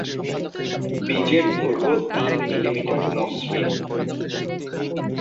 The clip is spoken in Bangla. বীজের দৈর্ঘ্য তিন মিলিমিটার, মসৃণ।